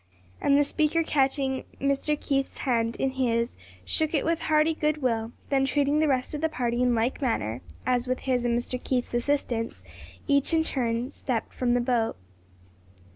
And the speaker catching Mr. Keith's hand in his shook it with hearty good will, then treating the rest of the party in like manner, as with his and Mr. Keith's assistance, each in turn stepped from the boat.